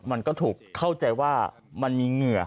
มันก็ถูกเข้าใจว่ามันมีเหงื่อ